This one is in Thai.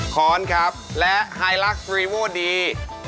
ค้อนครับและไฮลักษ์สตรีโวดี